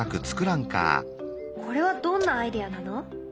これはどんなアイデアなの？